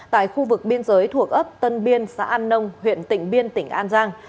tại khu vực biên giới thuộc ấp tân biên xã an nông huyện tỉnh biên tỉnh an giang